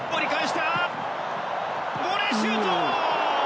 ボレーシュート！